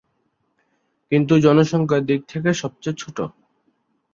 কিন্তু জনসংখ্যার দিক থেকে সবচেয়ে ছোট।